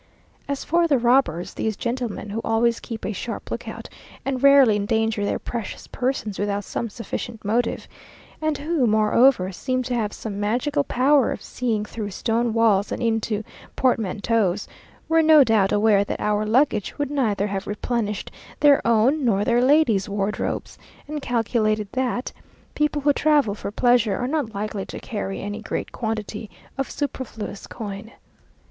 As for the robbers, these gentlemen, who always keep a sharp look out, and rarely endanger their precious persons without some sufficient motive, and who, moreover, seem to have some magical power of seeing through stone walls and into portmanteaus, were no doubt aware that our luggage would neither have replenished their own nor their ladies' wardrobes, and calculated that people who travel for pleasure are not likely to carry any great quantity of superfluous coin.